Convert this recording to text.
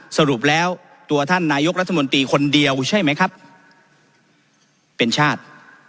สรุปแล้วตัวท่านนายกรัฐมนตรีคนเดียวใช่ไหมครับเป็นชาติ